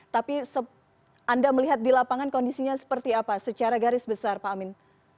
tapi anda melihat di lapangan kondisinya seperti apa secara garis besar pak amin